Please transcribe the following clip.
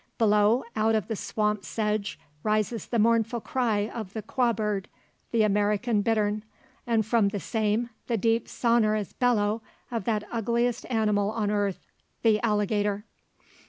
Below, out of the swamp sedge, rises the mournful cry of the quabird the American bittern and from the same, the deep sonorous bellow of that ugliest animal on earth the alligator.